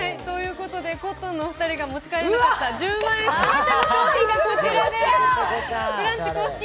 コットンのお二人が持ち帰れなかった１０万円分の商品がこちらです。